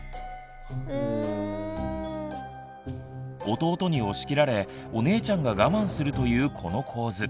弟に押し切られお姉ちゃんが我慢するというこの構図。